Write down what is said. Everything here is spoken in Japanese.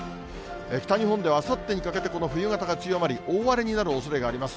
北日本ではあさってにかけて、この冬型が強まり、大荒れになるおそれがあります。